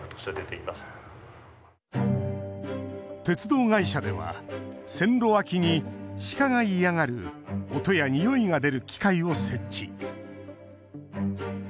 鉄道会社では線路脇にシカが嫌がる音やにおいが出る機械を設置。